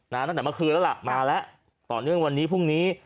ตั้งแต่เมื่อคืนแล้วล่ะมาแล้วต่อเนื่องวันนี้พรุ่งนี้